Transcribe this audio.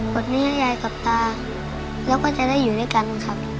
วันนี้ยายกับตาเราก็จะได้อยู่ด้วยกันครับ